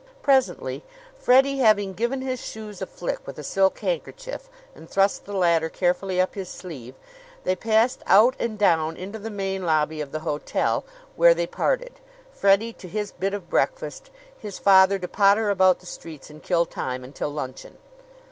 Presently, Freddie having given his shoes a flick with a silk handkerchief and thrust the latter carefully up his sleeve, they passed out and down into the main lobby of the hotel, where they parted Freddie to his bit of breakfast; his father to potter about the streets and kill time until luncheon.